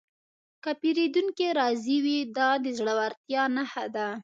که پیرودونکی راضي وي، دا د زړورتیا نښه ده.